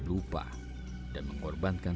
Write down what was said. lupa dan mengorbankan